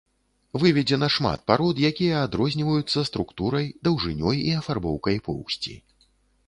Выведзена шмат парод, якія адрозніваюцца структурай, даўжынёй і афарбоўкай поўсці.